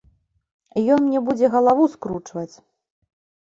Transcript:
Ён мне будзе галаву скручваць!